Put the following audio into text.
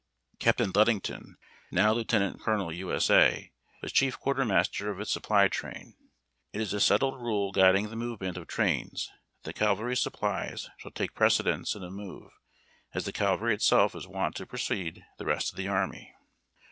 Captain Ludington (now lieutenant colo nel, U. S. A.) was chief quartermaster of its supply train. It is a settled rule guiding the movement of trains that the cavalry supplies shall take precedence in a move, as the cavalry itself is wont to precede the rest of the army.